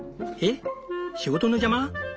えっ仕事の邪魔？